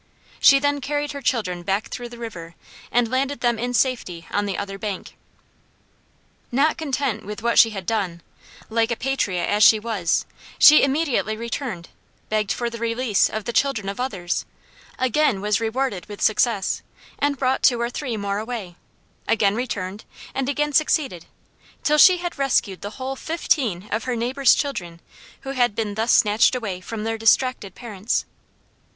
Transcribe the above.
She then carried her children back through the river and landed them in safety on the other bank. Not content with what she had done, like a patriot as she was, she immediately returned, begged for the release of the children of others, again was rewarded with success, and brought two or three more away; again returned, and again succeeded, till she had rescued the whole fifteen of her neighbors' children who had been thus snatched away from their distracted parents.